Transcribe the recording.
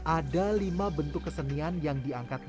ada lima bentuk kesenian yang diangkat